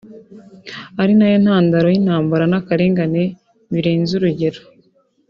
ari na yo ntandaro y’intambara n’akarengane birenze urugero